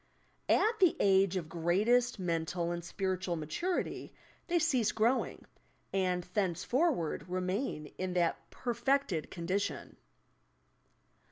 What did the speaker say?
At the age of greatest mental and spiritual maturity they cease growing, and thenceforward remain in that perfected condition.